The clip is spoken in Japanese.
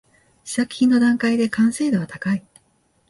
試作品の段階で完成度は高い